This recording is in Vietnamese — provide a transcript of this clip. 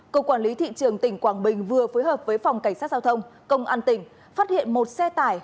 cục quản lý thị trường tỉnh quảng bình vừa phối hợp với phòng cảnh sát giao thông công an tỉnh phát hiện một xe tải